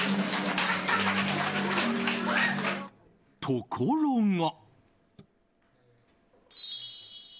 ところが。